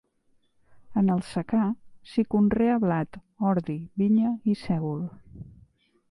En el secà, s'hi conrea blat, ordi, vinya i sègol.